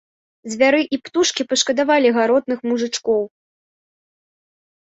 Звяры і птушкі пашкадавалі гаротных мужычкоў.